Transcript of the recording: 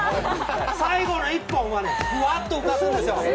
最後の１本はねふわっと浮かすんですよ！